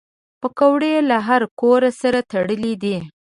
پکورې له هر کور سره تړلي دي